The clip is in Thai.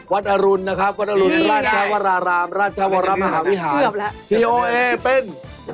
อรุณนะครับวัดอรุณราชวรารามราชวรมหาวิหารทีโอเอเป็น